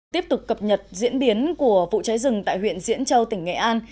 tiếp tục cập nhật diễn biến của vụ cháy rừng tại huyện diễn châu tỉnh nghệ an